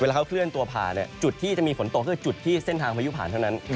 เคลื่อนตัวผ่านจุดที่จะมีฝนตกก็คือจุดที่เส้นทางพายุผ่านเท่านั้น